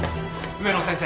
植野先生。